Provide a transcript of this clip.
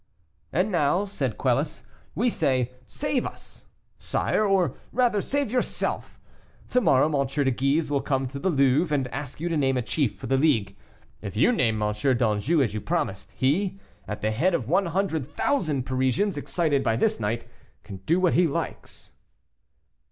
"And, now," said Quelus, "we say, 'Save us,' sire; or rather, save yourself; to morrow M. de Guise will come to the Louvre, and ask you to name a chief for the League; if you name M. d'Anjou, as you promised, he, at the head of one hundred thousand Parisians, excited by this night, can do what he likes."